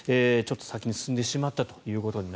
ちょっと先に進んでしまったと。